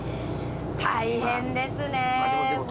大変ですね。